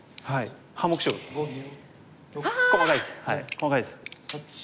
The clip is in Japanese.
細かいです。